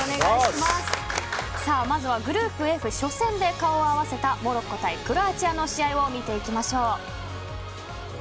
まずグループＦ初戦で顔を合わせたモロッコ対クロアチアの試合を見ていきましょう。